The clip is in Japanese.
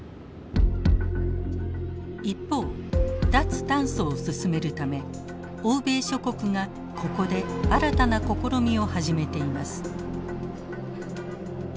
一方脱炭素を進めるため欧米諸国がここで新たな試みを始めています。